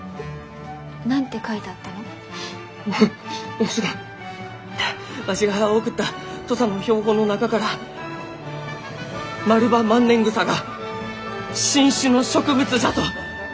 わわしがわしが送った土佐の標本の中からマルバマンネングサが新種の植物じゃと認められたがじゃき！